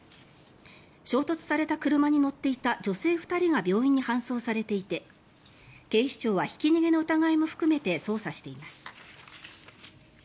衝突された車に乗っていた女性２人が病院に搬送されていて警視庁はひき逃げの疑いも含めて捜査しています。